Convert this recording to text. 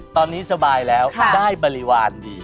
ตอนนี้สบายแล้วได้บริวารดี